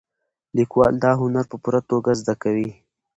لیکوال دا هنر په پوره توګه زده دی.